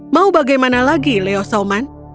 mau bagaimana lagi leo sauman